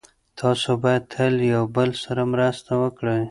تاسو باید تل یو بل سره مرسته وکړئ.